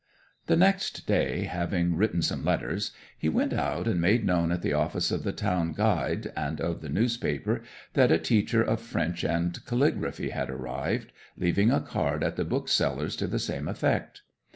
'The next day, having written some letters, he went out and made known at the office of the town "Guide" and of the newspaper, that a teacher of French and calligraphy had arrived, leaving a card at the bookseller's to the same effect.